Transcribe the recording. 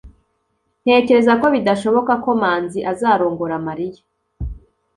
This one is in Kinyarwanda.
Ntekereza ko bidashoboka ko Manzi azarongora Mariya.